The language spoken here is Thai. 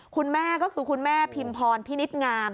คุณแม่ก็คือคุณแม่พิมพรพินิษฐ์งาม